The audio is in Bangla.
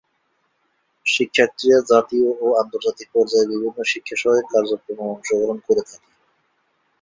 শিক্ষার্থীরা জাতীয় ও আন্তর্জাতিক পর্যায়ে বিভিন্ন শিক্ষা সহায়ক কার্যক্রমে অংশগ্রহণ করে থাকে।